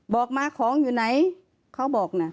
บอกมาของอยู่ไหนเขาบอกนะ